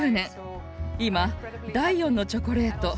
今「第４のチョコレート」